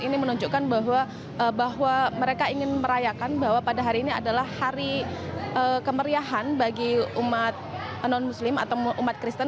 ini menunjukkan bahwa mereka ingin merayakan bahwa pada hari ini adalah hari kemeriahan bagi umat non muslim atau umat kristen